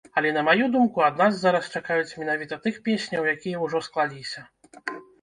Але, на маю думку, ад нас зараз чакаюць менавіта тых песняў, якія ўжо склаліся.